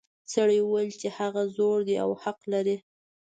سړي وویل چې هغه زوړ دی او حق لري.